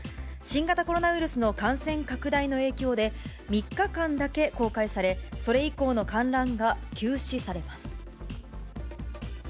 新型コロナウイルスの感染拡大の影響で、３日間だけ公開され、それ以降の観覧が休止されます。